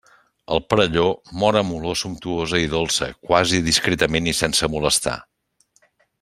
El perelló mor amb olor sumptuosa i dolça, quasi discretament i sense molestar.